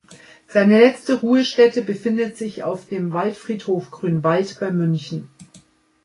Seine letzte Ruhestätte befindet sich auf dem Waldfriedhof Grünwald bei München.